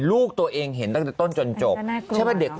ลูกตัวเองเห็นต้นจนโจทย์